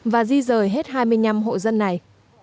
và di rời hết hai mươi năm hộ dân này